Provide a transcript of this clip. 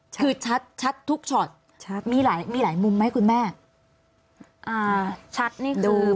คือชัดชัดทุกช็อตชัดมีหลายมีหลายมุมไหมคุณแม่อ่าชัดนี่คือ